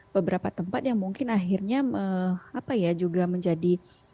beberapa tempat yang mungkin akhirnya apa ya juga menjadi